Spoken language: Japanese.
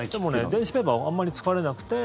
電子ペーパーはあんまり疲れなくて。